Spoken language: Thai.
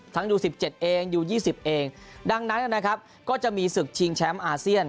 ยู๑๗เองยู๒๐เองดังนั้นนะครับก็จะมีศึกชิงแชมป์อาเซียน